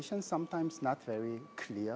kadang kadang tidak jelas